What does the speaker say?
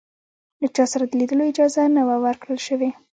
له چا سره د لیدلو اجازه نه وه ورکړل شوې.